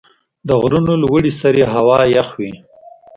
د غرونو لوړې سرې هوا یخ وي.